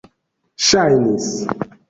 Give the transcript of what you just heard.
ŝajnis